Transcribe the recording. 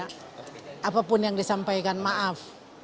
karena apapun yang disampaikan maaf